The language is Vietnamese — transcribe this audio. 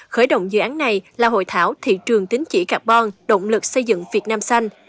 khởi động dự án này là hội thảo thị trường tính chỉ carbon động lực xây dựng việt nam xanh